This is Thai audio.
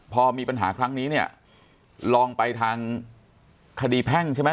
พอมีปัญหาครั้งนี้เนี่ยลองไปทางคดีแพ่งใช่ไหม